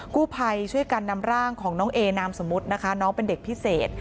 กู้ภัยช่วยกันนำร่างของน้องเอนามสมมุตินะคะน้องเป็นเด็กพิเศษ